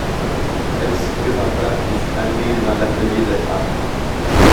Elle s’y présenta, et fut admise dans l’atelier des femmes.